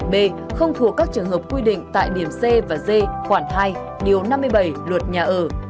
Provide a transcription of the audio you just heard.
b không thua các trường hợp quy định tại điểm c và d khoảng hai năm mươi bảy luật nhà ở